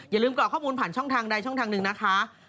อย่าลืมกรอกข้อมูลผ่านช่องทางใดช่องทางหนึ่งนะคะ